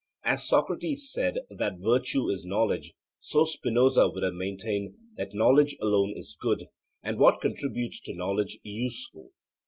As Socrates said that virtue is knowledge, so Spinoza would have maintained that knowledge alone is good, and what contributes to knowledge useful.